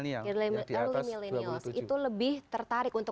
early milenial itu lebih tertarik untuk mendalami politik ya